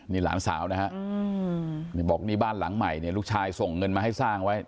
นี่หลานสาวนะฮะนี่บอกนี่บ้านหลังใหม่เนี่ยลูกชายส่งเงินมาให้สร้างไว้